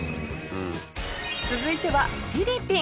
続いてはフィリピン。